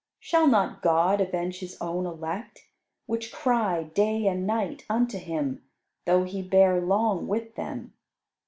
Shall not God avenge His own elect, which cry day and night unto Him, though He bear long with them?"